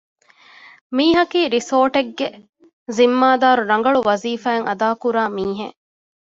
މީހަކީ ރިސޯޓެއްގެ ޒިންމާދާރު ރަނގަޅު ވަޒީފާއެއް އަދާކުރާ މީހެއް